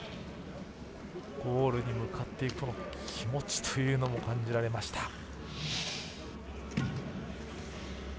ゴールに向かっていく気持ちというのも感じられました。